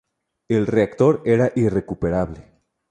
El reactor era irrecuperable.